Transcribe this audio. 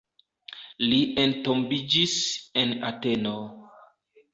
Li entombiĝis en Ateno.